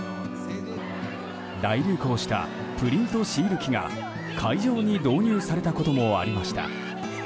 大流行したプリントシール機が会場に導入されたこともありました。